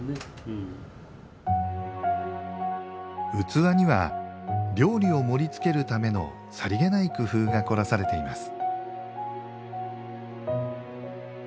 器には料理を盛り付けるためのさりげない工夫がこらされています。